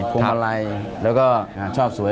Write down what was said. พวงมาลัยแล้วก็ชอบสวย